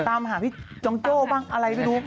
ตามหาพี่จองโจ้บ้างอะไรไปดูค่ะ